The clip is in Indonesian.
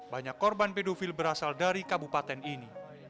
banyak korban pedofil berasal dari negara negara lain